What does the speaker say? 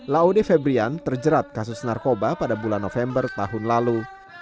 laude febrian terjerat kasus narkoba pada bulan november tahun lalu